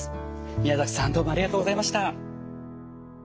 宮崎さんどうもありがとうございました。